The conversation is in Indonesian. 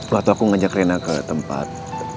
waktu aku ngajak rena ke tempat